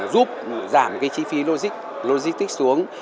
giúp giảm chi phí logistic xuống